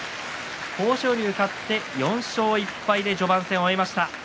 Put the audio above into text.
豊昇龍、勝って４勝１敗で序盤戦を終えました。